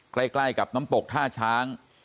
ใกล้กับน้ำตกท่าช้าง